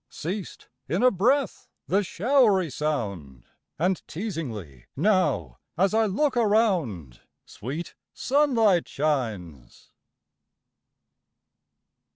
Ceased in a breath the showery sound; And teasingly, now, as I look around, Sweet sunlight shines!